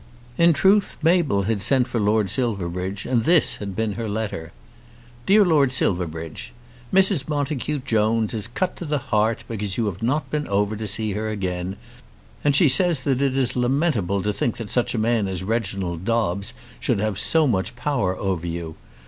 In truth Mabel had sent for Lord Silverbridge, and this had been her letter: DEAR LORD SILVERBRIDGE, Mrs. Montacute Jones is cut to the heart because you have not been over to see her again, and she says that it is lamentable to think that such a man as Reginald Dobbes should have so much power over you.